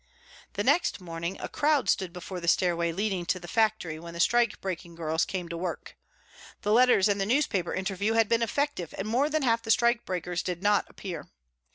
The next morning a crowd stood before the stairway leading to the factory when the strikebreaking girls came to work. The letters and the newspaper interview had been effective and more than half the strikebreakers did not appear.